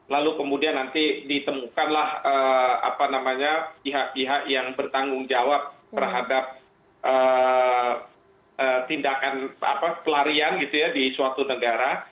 lalu kemudian nanti ditemukanlah pihak pihak yang bertanggung jawab terhadap tindakan pelarian gitu ya di suatu negara